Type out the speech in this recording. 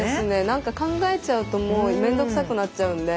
何か考えちゃうともう面倒くさくなっちゃうんで。